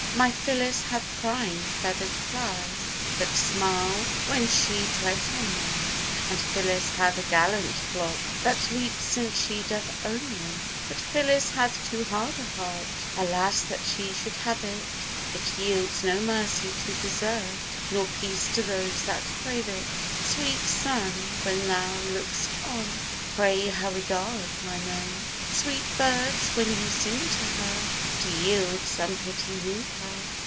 My Phyllis hath prime feathered flowers That smile when she treads on them: And Phyllis hath a gallant flock That leaps since she doth own them. But Phyllis hath too hard a heart, Alas, that she should have it! It yields no mercy to desert Nor peace to those that crave it. Sweet Sun, when thou look'st on, Pray her regard my moan! Sweet birds, when you sing to her, To yield some pity woo her!